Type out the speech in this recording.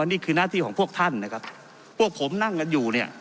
นี่คือหน้าที่ของพวกท่านนะครับพวกผมนั่งกันอยู่เนี่ย